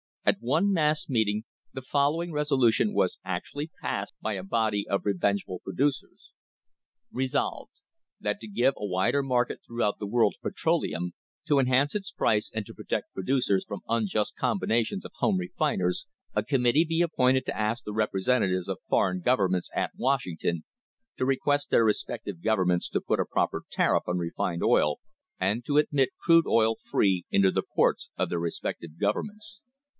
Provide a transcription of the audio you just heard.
At one mass meeting the following resolution was actually passed by a body of revengeful producers: Resolved, that to give a wider market throughout the world to petroleum, to enhance its price and to protect producers from unjust combinations of home refiners, a com mittee be appointed to ask the representatives of foreign governments at Washington to request their respective governments to put a proper tariff on refined oil and to admit crude oil free into the ports of their respective governments.